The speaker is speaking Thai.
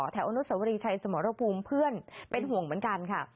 อนุสวรีชัยสมรภูมิเพื่อนเป็นห่วงเหมือนกันค่ะ